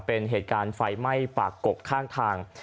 เป็นเหตุการณ์ไฟไหม้ปากกกข้างทาง